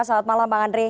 selamat malam bang andre